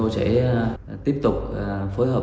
sẽ tiếp tục phối hợp